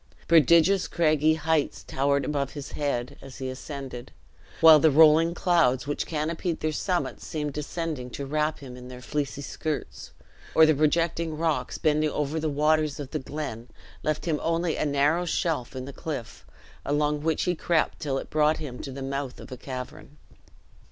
Prodigious craggy heights towered above his head as he ascended; while the rolling clouds which canopied their summits seemed descending to wrap him in their "fleecy skirts;" or the projecting rocks bending over the waters of the glen, left him only a narrow shelf in the cliff, along which he crept till it brought him to the mouth of a cavern.